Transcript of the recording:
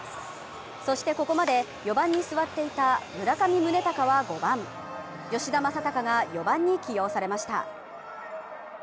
そして、ここまで４番にすわっていた村上宗隆は５番、吉田正尚が４番に起用されました。